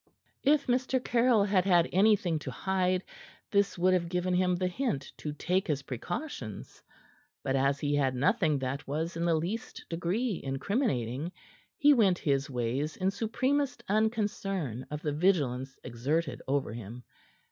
If Mr. Caryll had had anything to hide, this would have given him the hint to take his precautions; but as he had nothing that was in the least degree in incriminating, he went his ways in supremest unconcern of the vigilance exerted over him.